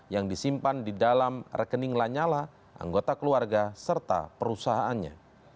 yang disimpan di dalam rekening lanyala anggota keluarga serta perusahaannya